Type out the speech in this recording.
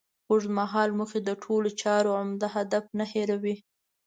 اوږد مهاله موخې د ټولو چارو عمده هدف نه هېروي.